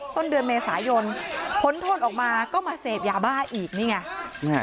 ต้นเดือนเมษายนพ้นโทษออกมาก็มาเสพยาบ้าอีกนี่ไง